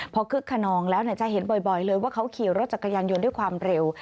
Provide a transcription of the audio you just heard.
พอคึกขนองแล้วจะเห็นบ่อยเลยว่าเขาขี่รถจักรยานยนต์ด้วยความเร็ว